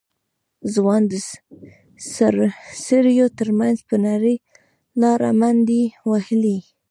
ځوان د څېړيو تر منځ په نرۍ لاره منډې وهلې.